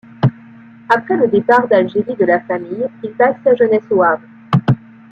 Après le départ d'Algérie de la famille, il passe sa jeunesse au Havre.